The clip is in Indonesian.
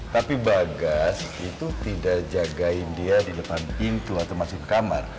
tapi bagas itu tidak jagain dia di depan pintu atau masuk ke kamar